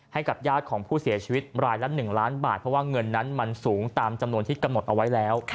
ให้กับญาติของผู้เสียชีวิตรายละ๑ล้านบาทเพราะว่าเงินนั้นมันสูงตามจำนวนที่กำหนดเอาไว้แล้ว